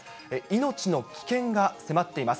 命の危険が迫っています。